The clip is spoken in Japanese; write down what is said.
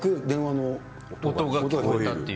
聞こえたっていう。